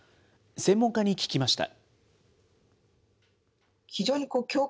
専門家に聞きました。